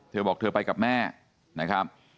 เธอบอกเธอไปกับแม่นะครับ